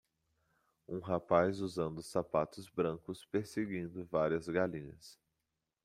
um rapaz usando sapatos brancos perseguindo várias galinhas